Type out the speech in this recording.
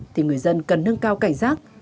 thì người dân cần nâng cao cảnh giác